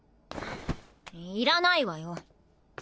いらないわよ！